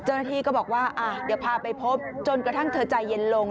เจ้าหน้าที่ก็บอกว่าเดี๋ยวพาไปพบจนกระทั่งเธอใจเย็นลง